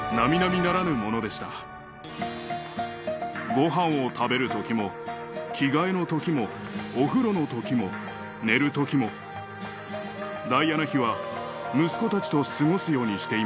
ご飯を食べるときも着替えのときもお風呂のときも寝るときもダイアナ妃は息子たちと過ごすようにしていました。